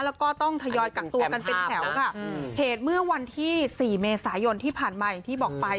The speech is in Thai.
แล้วก็ต้องทยอยกักตัวกันเป็นแถวค่ะเหตุเมื่อวันที่สี่เมษายนที่ผ่านมาอย่างที่บอกไป